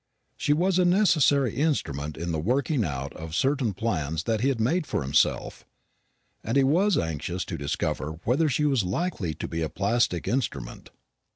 She was a necessary instrument in the working out of certain plans that he had made for himself, and he was anxious to discover whether she was likely to be a plastic instrument.